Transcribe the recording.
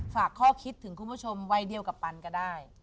ฝากข้อคิดถึงคุณผู้ชมวัยเดียวกับปันก็ได้